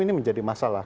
ini menjadi masalah